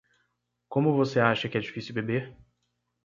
Como você acha que é difícil beber?